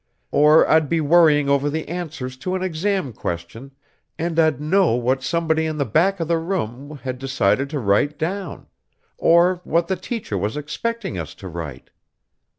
Or I'd be worrying over the answers to an exam question, and I'd know what somebody in the back of the room had decided to write down, or what the teacher was expecting us to write.